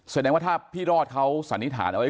สัยในว่าถ้าพี่รอดเขาสรริฐานได้ไว้